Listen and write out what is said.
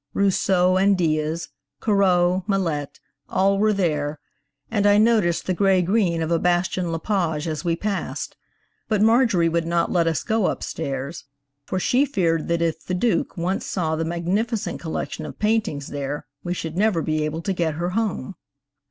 Rousseau and Diaz, Corot, Millet, all were there, and I noticed the gray green of a Bastien Lepage as we passed; but Marjorie would not let us go up stairs, for she feared that if the Duke once saw the magnificent collection of paintings there we should never be able to get her home.